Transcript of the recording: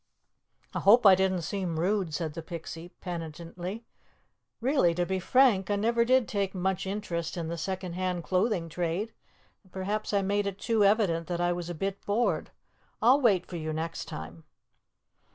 "I hope I didn't seem rude," said the Pixie, penitently. "Really, to be frank, I never did take much interest in the second hand clothing trade; and perhaps I made it too evident that I was a bit bored. I'll wait for you next time."